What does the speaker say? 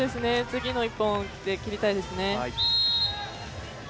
次の１本で切りたいですね。